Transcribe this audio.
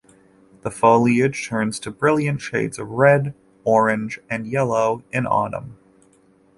The foliage turns to brilliant shades of red, orange and yellow in autumn.